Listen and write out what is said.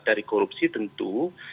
dari korupsi tentu